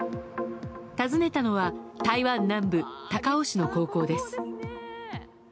訪ねたのは台湾南部高雄市の高校です。